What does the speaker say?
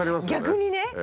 逆にね。